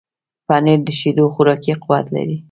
پنېر د شیدو خوراکي قوت لري.